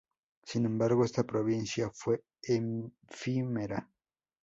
Sin embargo, esta provincia fue efímera.